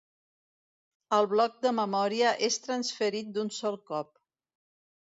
El bloc de memòria és transferit d'un sol cop.